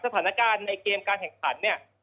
สถานการณ์ในเกมการแข่งขันเนี่ย